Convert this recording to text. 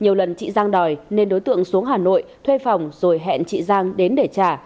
nhiều lần chị giang đòi nên đối tượng xuống hà nội thuê phòng rồi hẹn chị giang đến để trả